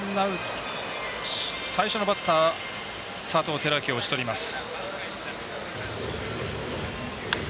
最初のバッター、佐藤輝明を打ち取ります。